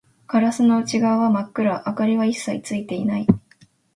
ガラスの内側は真っ暗、明かりは一切ついていない